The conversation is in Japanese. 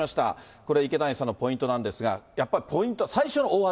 これ、池谷さんのポイントなんですが、やっぱりポイントは、最初の大技。